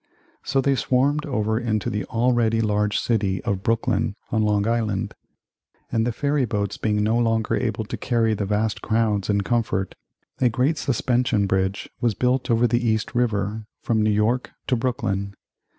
So they swarmed over into the already large city of Brooklyn, on Long Island. And the ferry boats being no longer able to carry the vast crowds in comfort, a great suspension bridge was built over the East River from New York to Brooklyn.